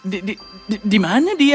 di di di mana dia